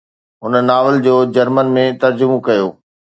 هن ناول جو جرمن ۾ ترجمو ڪيو.